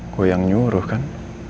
gue yang nyuruh kan